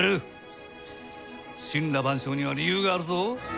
森羅万象には理由があるぞ。